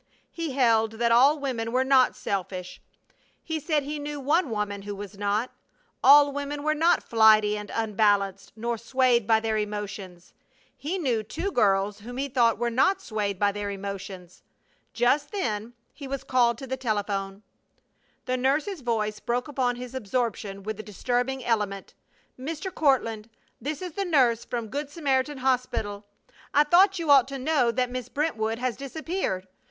He held that all women were not selfish. He said he knew one woman who was not. All women were not flighty and unbalanced nor swayed by their emotions. He knew two girls whom he thought were not swayed by their emotions. Just then he was called to the telephone. The nurse's voice broke upon his absorption with a disturbing element: "Mr. Courtland, this is the nurse from Good Samaritan Hospital. I thought you ought to know that Miss Brentwood has disappeared!